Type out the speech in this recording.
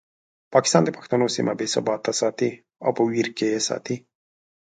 پاکستان د پښتنو سیمه بې ثباته ساتي او په ویر کې یې ساتي.